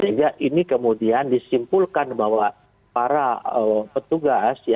jadi ini kemudian disimpulkan bahwa para petugas